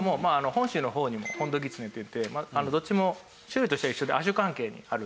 本州の方にもホンドギツネっていってどっちも種類としては一緒で亜種関係にあるんですね。